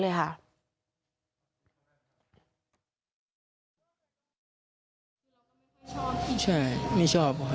ลูกนั่นแหละที่เป็นคนผิดที่ทำแบบนี้